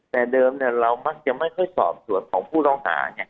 แต่เดิมเรามักจะไม่ค่อยสอบสวนของผู้ต้องหา